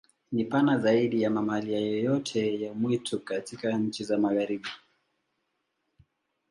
Ni pana zaidi ya mamalia yoyote ya mwitu katika nchi za Magharibi.